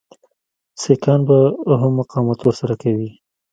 سیکهان به هم مقاومت ورسره کوي.